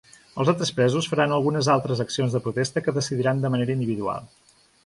Els altres presos faran algunes altres accions de protesta que decidiran de manera individual.